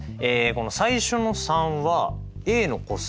最初の３はＡの個数